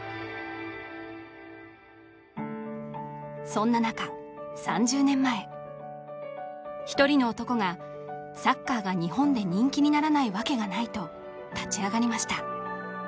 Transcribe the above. そんな中３０年前一人の男が「サッカーが日本で人気にならないわけがない」と立ち上がりました